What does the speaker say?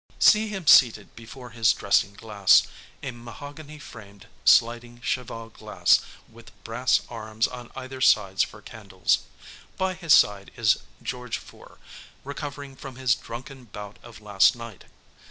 See him seated before his dressing glass, a mahogany framed sliding cheval glass with brass arms on either sides for candles. By his side is George IV., recovering from his drunken bout of last night.